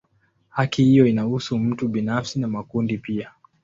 Haki hiyo inahusu mtu binafsi na makundi pia.